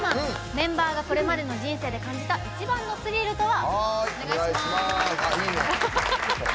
メンバーがこれまでの人生で感じた一番のスリルとは？